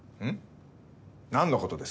何のことです？